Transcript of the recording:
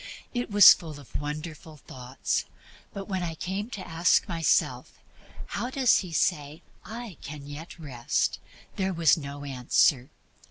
It was full of beautiful thoughts; but when I came to ask myself, "How does he say I can get Rest?" there was no answer.